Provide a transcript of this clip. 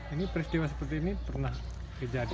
ini peristiwa seperti ini pernah kejadian